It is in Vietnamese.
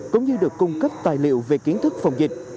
cũng như được cung cấp tài liệu về kiến thức phòng dịch